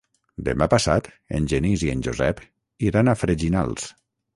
Demà passat en Genís i en Josep iran a Freginals.